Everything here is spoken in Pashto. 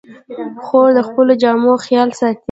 خور د خپلو جامو خیال ساتي.